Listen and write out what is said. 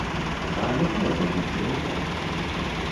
А якая пазіцыя ў вас?